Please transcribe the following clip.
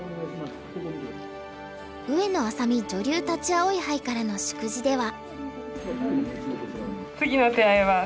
上野愛咲美女流立葵杯からの祝辞では。